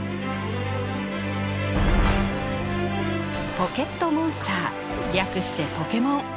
ポケットモンスター略してポケモン。